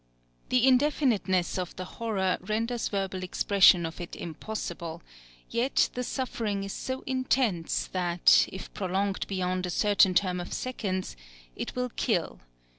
The indefiniteness of the horror renders verbal expression of it impossible; yet the suffering is so intense that, if prolonged beyond a certain term of seconds, it will kill.